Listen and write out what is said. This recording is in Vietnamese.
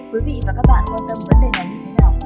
quý vị và các bạn quan tâm vấn đề này như thế nào